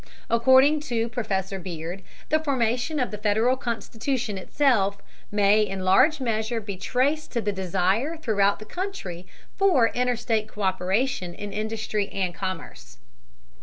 According to Professor Beard, the formation of the Federal Constitution itself may in large measure be traced to the desire throughout the country for interstate co÷peration in industry and commerce.